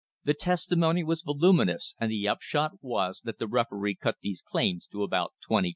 The testimony was volumi nous, and the upshot was that the referee cut these claims to about $22,000.